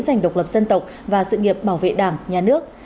giành độc lập dân tộc và sự nghiệp bảo vệ đảng nhà nước